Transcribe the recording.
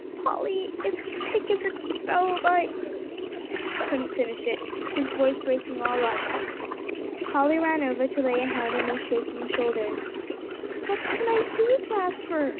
"Polly, if Pick is expelled, I " he couldn't finish it, his voice breaking all up. Polly ran over to lay a hand on his shaking shoulders. "What can I do, Jasper?"